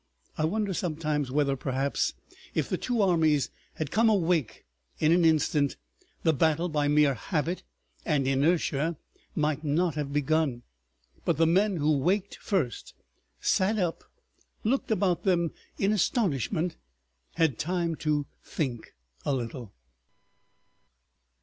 I wonder sometimes whether, perhaps, if the two armies had come awake in an instant, the battle, by mere habit and inertia, might not have begun. But the men who waked first, sat up, looked about them in astonishment, had time to think a little.